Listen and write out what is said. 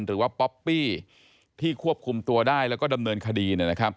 ป๊อปปี้ที่ควบคุมตัวได้แล้วก็ดำเนินคดี